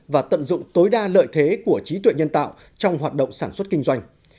và tận dụng tối đa lợi thế của trí tuệ nhân tạo trong hoạt động sản xuất kinh doanh